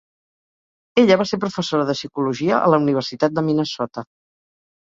Ella va ser professora de psicologia a la Universitat de Minnesota.